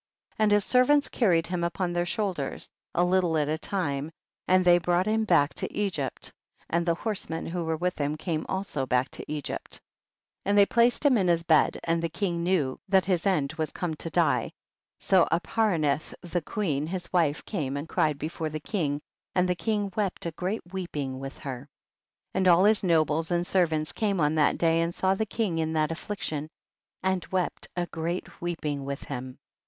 46. And his servants carried him upon their shoulders, a little at a time, and they brought him back to Egypt, and the horsemen who were with him came also back to Egypt. 230 THE BOOK OF JASHER. 47. And they placed him in his bed, and the king knew that his end was come to die, so Aparanith the queen his wife came and cried before the king, and the king wept a great weeping with her. 48. And all his nobles and ser vants came on that day and saw the king in that affliction, and wept a great weeping with him.